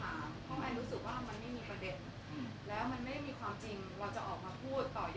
รายการจบแล้วเนาะเดี๋ยวถ้าเรื่องส่วนตัวเต้อเดี๋ยวให้เต้อคุยกันเถียว